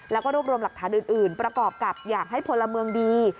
แล้วก็รวบรวมหลักฐานอื่นประกอบกับอยากให้พลเมืองดี